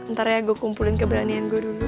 ntar ya gue kumpulin keberanian gue dulu